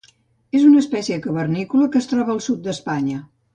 És una espècie cavernícola que es troba al sud d'Espanya.